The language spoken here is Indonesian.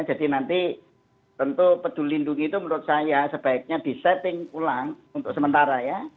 jadi nanti tentu pedulindung itu menurut saya sebaiknya disetting ulang untuk sementara ya